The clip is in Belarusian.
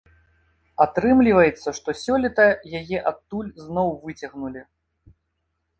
Атрымліваецца, што сёлета яе адтуль зноў выцягнулі.